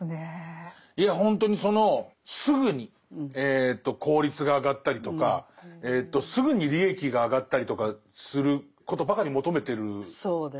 いやほんとにそのすぐに効率が上がったりとかすぐに利益が上がったりとかすることばかり求めてるじゃないですか。